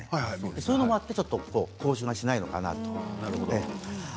それもあって口臭がしないのかなと。